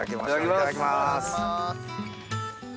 いただきます！